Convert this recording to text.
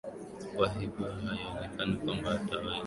kwa hivyo haionekani kwamba ataweza